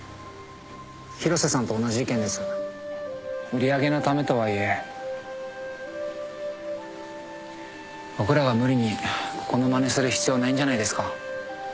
売り上げのためとはいえ僕らが無理にここのまねする必要ないんじゃないですか。